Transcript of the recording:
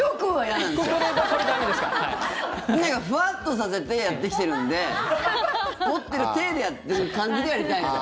なんかフワッとさせてやってきてるんで持ってる体でやってる感じでやりたいんですよ。